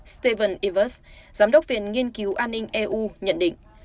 steven ivers giám đốc viện nghiên cứu an ninh eu nhận định